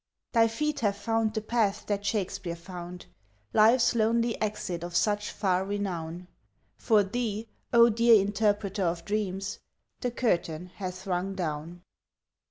Thy feet have found the path that Shakespeare found, Life's lonely exit of such far renown; For thee, 0 dear interpreter of dreams, The curtain hath rung down.